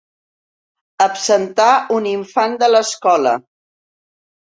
Absentar un infant de l'escola.